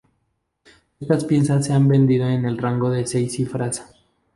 Estas piezas se han vendido en el rango de seis cifras.